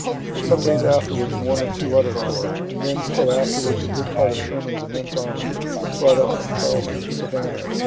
Some days afterwards one or two other corps; and then, still afterwards, a good part of Sherman's immense army, brought up from Charleston, Savannah, &c.